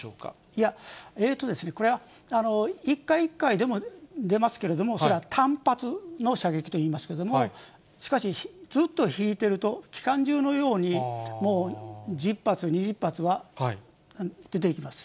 いや、これは一回一回でも出ますけれども、それは単発の射撃といいますけれども、しかし、ずっと引いてると、機関銃のように、もう１０発、２０発は出ていきます。